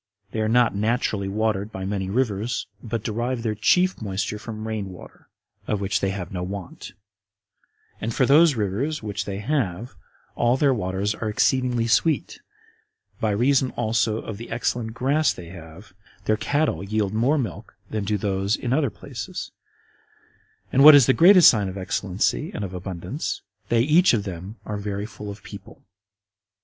They are not naturally watered by many rivers, but derive their chief moisture from rain water, of which they have no want; and for those rivers which they have, all their waters are exceeding sweet: by reason also of the excellent grass they have, their cattle yield more milk than do those in other places; and, what is the greatest sign of excellency and of abundance, they each of them are very full of people.